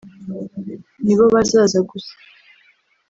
ni bo bazaza gusa